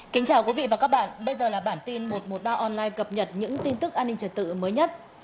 kính chào quý vị và các bạn bây giờ là bản tin một trăm một mươi ba online cập nhật những tin tức an ninh trật tự mới nhất